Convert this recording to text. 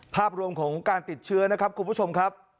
ภาพรวมของการติดเชื้อนะครับคุณผู้ชมครับ